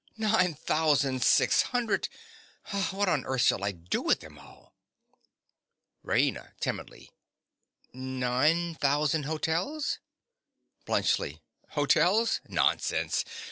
Nine thousand six hundred!!! What on earth shall I do with them all? RAINA. (timidly). Nine thousand hotels? BLUNTSCHLI. Hotels! Nonsense.